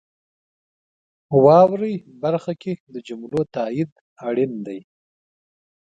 واورئ برخه کې د جملو تایید اړین دی.